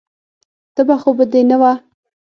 تبه خو به دې نه وه.